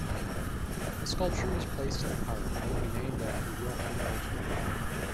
The sculpture is placed in a park that will be named after Johan Galtung.